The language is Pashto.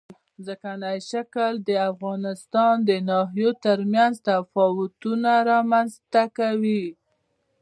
ځمکنی شکل د افغانستان د ناحیو ترمنځ تفاوتونه رامنځ ته کوي.